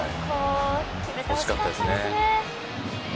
惜しかったですね。